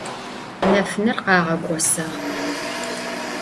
Nefıner khağek'osağ.